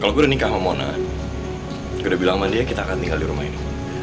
kalau gue udah nikah sama mona gue udah bilang sama dia kita akan tinggal di rumah ini